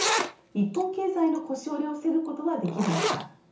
日本経済の腰折れを防ぐことはできるのか。